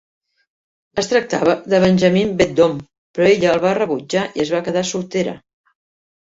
Es tractava de Benjamin Beddome, però ella el va rebutjar i es va quedar soltera.